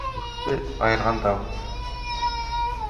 Дуҫты айырған дау